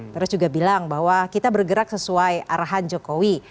terus juga bilang bahwa kita bergerak sesuai arahan jokowi